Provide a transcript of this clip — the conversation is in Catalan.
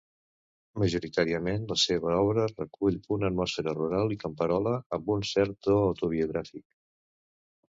Majoritàriament la seva obra recull una atmosfera rural i camperola, amb un cert to autobiogràfic.